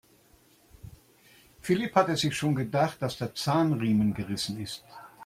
Philipp hatte sich schon gedacht, dass der Zahnriemen gerissen ist.